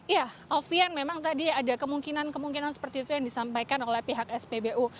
ya alfian memang tadi ada kemungkinan kemungkinan seperti itu yang disampaikan oleh pihak spbu